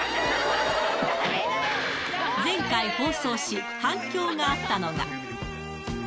前回放送し、反響があったのが。